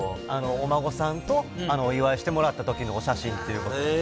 お孫さんとお祝いしてもらったときのお写真ということで。